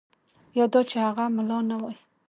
یا دا چې هغه ملا نه وای.